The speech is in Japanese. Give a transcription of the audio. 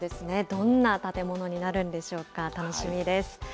どんな建物になるんでしょうか、楽しみです。